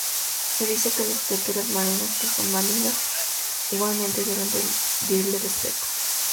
Se dice que las criaturas marinas que son malignas, igualmente deben rendirle respeto.